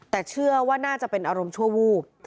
แต่เชื่อว่าน่าจะเป็นอารมณ์ชั่ววูบ